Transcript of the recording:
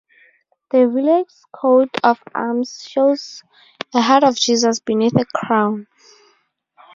The village's coat of arms shows a heart of Jesus beneath a crown.